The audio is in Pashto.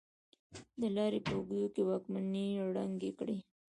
د لارې په اوږدو کې واکمنۍ ړنګې کړې.